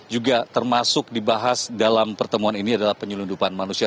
juga termasuk dibahas dalam pertemuan ini adalah penyelundupan manusia